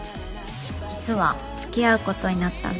実はつきあうことになったんだ。